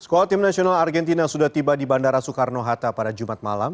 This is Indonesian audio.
skuad tim nasional argentina sudah tiba di bandara soekarno hatta pada jumat malam